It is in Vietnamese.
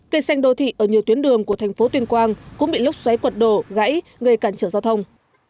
cây xanh đô thị ở nhiều tuyến đường của thành phố tuyên quang cũng bị lốc xoáy quật đổ gãy gây cản trở giao thông